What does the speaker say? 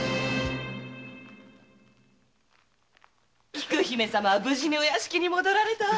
菊姫様は無事にお屋敷に戻られたわ。